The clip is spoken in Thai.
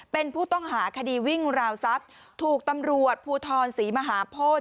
เป็นผู้ต้องหาคดีวิ่งราวทรัพย์ถูกตำรวจภูทรศรีมหาโพธิ